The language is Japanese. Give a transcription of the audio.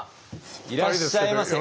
いらっしゃいませ。